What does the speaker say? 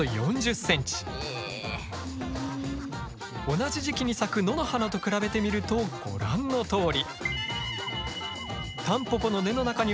同じ時期に咲く野の花と比べてみるとご覧のとおり！